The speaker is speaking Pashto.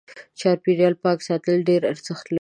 چاپېريال پاک ساتل ډېر ارزښت لري.